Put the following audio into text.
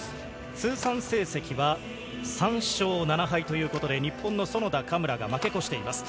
通算成績は３勝７敗ということで、日本の園田・嘉村が負け越しています。